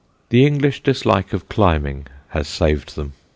The English dislike of climbing has saved them.